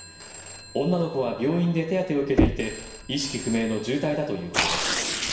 女の子は病院で手当てを受けていて、意識不明の重体だということです。